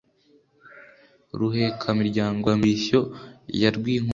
ruheka-miryango rwa mirishyo ya rwinkovu